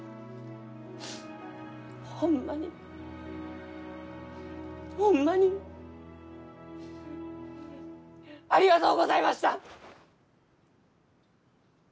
ホンマにホンマにありがとうございました！